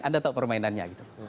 anda tahu permainannya gitu